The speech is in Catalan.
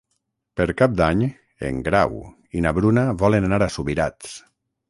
Per Cap d'Any en Grau i na Bruna volen anar a Subirats.